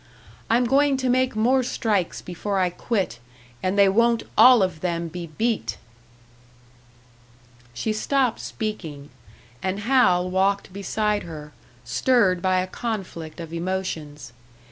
I'm goin' to make more strikes before I quit, and they won't all of them be beat!" She stopped speaking; and Hal walked beside her, stirred by a conflict of emotions.